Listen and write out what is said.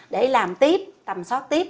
để làm tiếp tầm soát tiếp